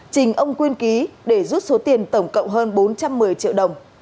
trình ông quyên ký để rút số tiền tổng cộng hơn bốn trăm một mươi triệu đồng